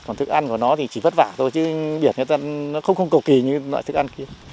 còn thức ăn của nó thì chỉ vất vả thôi chứ biển người ta nó không cầu kỳ như loại thức ăn kia